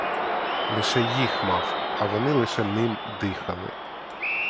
Лише їх мав, а вони лише ним дихали.